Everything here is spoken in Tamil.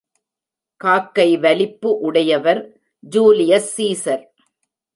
காக்கை வலிப்பு உடையவர் ஜூலியஸ் ஸீஸர்.